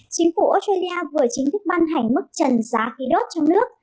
chính phủ australia vừa chính thức ban hành mức trần giá khí đốt trong nước